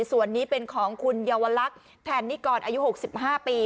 ส่วนนี้เป็นของคุณเยาวลักษณ์แทนนิกรอายุ๖๕ปี